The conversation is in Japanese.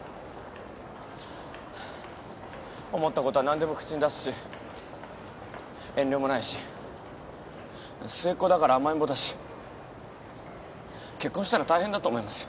思ったことは何でも口に出すし遠慮もないし末っ子だから甘えん坊だし結婚したら大変だと思いますよ。